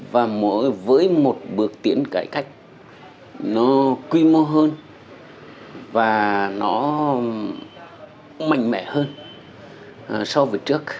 và với một bước tiến cải cách nó quy mô hơn và nó mạnh mẽ hơn so với trước